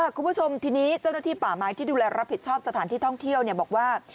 คุณผู้ชมทีนี้เจ้าหน้าที่ป่าไม้ที่ดูแลรับผิดชอบสถานที่ท่องเที่ยวบอกว่า